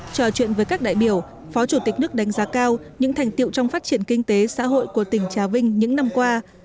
trò chuyện với các đại biểu phó chủ tịch nước đánh giá cao những thành tiệu trong phát triển kinh tế xã hội của tỉnh trà vinh những năm qua